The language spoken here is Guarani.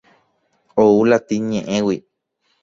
Ou latín ñe'ẽgui.